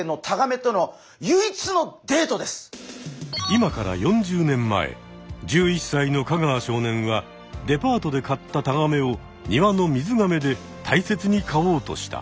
今から４０年前１１さいの香川少年はデパートで買ったタガメを庭の水がめで大切に飼おうとした。